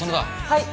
はい！